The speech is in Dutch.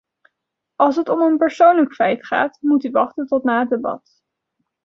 Als het om een persoonlijk feit gaat, moet u wachten tot na het debat.